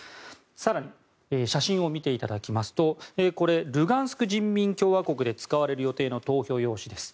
更に、写真を見ていただきますとルガンスク人民共和国で使われる予定の投票用紙です。